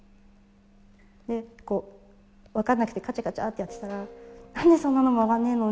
でこうわからなくてカチャカチャってやってたら「なんでそんなのもわがんねえの。